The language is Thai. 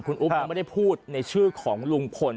คุณอุ๊บยังไม่ได้พูดในชื่อของลุงพล